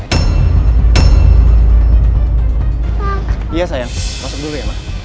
iya saya masuk dulu ya mas